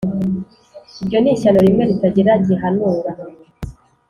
Iryo ni ishyano rimwe ritagira gihanura